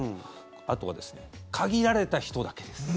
あとはですね限られた人だけです